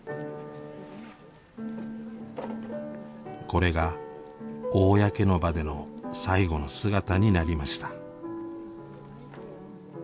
これが公の場での最後の姿になりました。